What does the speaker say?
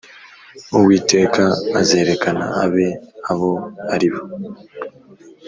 Uwiteka azerekana abe abo ari bo